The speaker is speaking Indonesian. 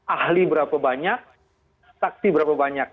ahli berapa banyak saksi berapa banyak